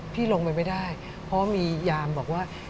พี่ลงไปไม่ได้เพราะมียามบอกว่า